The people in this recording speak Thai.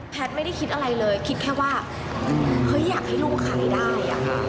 ไม่ได้คิดอะไรเลยคิดแค่ว่าเฮ้ยอยากให้ลูกขายได้